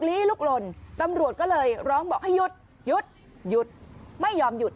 ลุกลนตำรวจก็เลยร้องบอกให้หยุดหยุดหยุดไม่ยอมหยุด